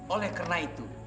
oleh karena itu